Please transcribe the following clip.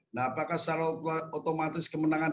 nah apakah secara otomatis kemenangan